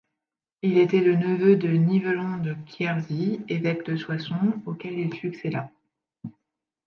Il était le neveu de Nivelon de Quierzy, évêque de Soissons auquel il succéda.